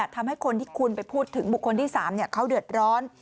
ทำให้คนที่คุณไปพูดถึงบุคคลที่๓เขาเดือดร้อน